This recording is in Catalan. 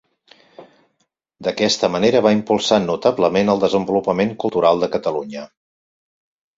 D'aquesta manera va impulsar notablement el desenvolupament cultural de Catalunya.